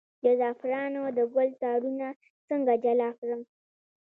د زعفرانو د ګل تارونه څنګه جلا کړم؟